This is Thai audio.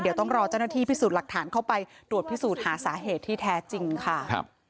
เดี๋ยวต้องรอเจ้าหน้าที่พิสูจน์หลักฐานเข้าไปตรวจพิสูจน์หาสาเหตุที่แท้จริงค่ะครับ